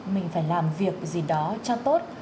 mình phải làm việc gì đó cho tốt